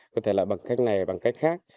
có thể là bằng cách này bằng cách khác